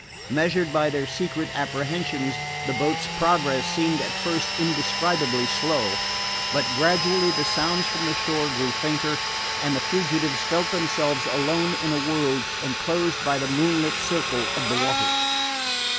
Measured by their secret apprehensions the boat's progress seemed at first indescribably slow; but gradually the sounds from the shore grew fainter, and the fugitives felt themselves alone in a world enclosed by the moonlit circle of the waters.